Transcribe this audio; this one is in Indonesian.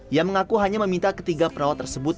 ia mengaku hanya meminta ketiga perawat tersebut